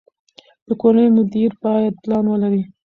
د کورنۍ مدیر باید پلان ولري.